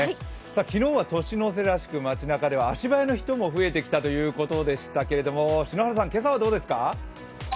昨日は年の瀬らしく街なかでは足早な人も増えてきたということでしたけれども、篠原さん、今朝はどうですか？